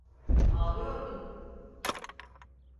Ağlıyordun.